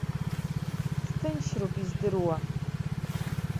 Сҭынчроуп издыруа.